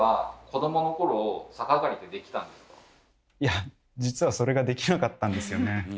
ちなみにいや実はそれができなかったんですよね。